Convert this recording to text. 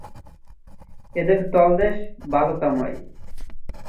এর তলদেশ বালুকাময়।